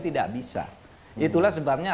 tidak bisa itulah sebabnya